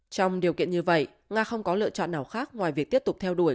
trong điều kiện như vậy nga không có lựa chọn nào khác ngoài việc tiếp tục theo đuổi